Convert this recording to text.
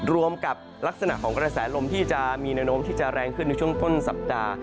รวมกับลักษณะของกระแสลมที่จะมีแนวโน้มที่จะแรงขึ้นในช่วงต้นสัปดาห์